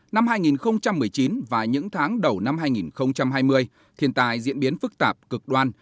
năm hai nghìn một mươi chín và những tháng đầu năm hai nghìn hai mươi thiên tài diễn biến phức tạp cực đoan